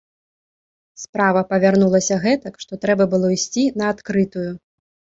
Справа павярнулася гэтак, што трэба было ісці на адкрытую.